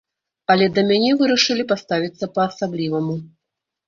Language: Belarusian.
Але да мяне вырашылі паставіцца па-асабліваму.